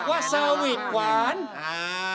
สวัสดีครับ